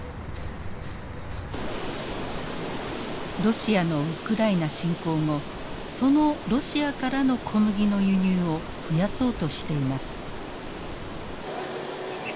ロシアのウクライナ侵攻後そのロシアからの小麦の輸入を増やそうとしています。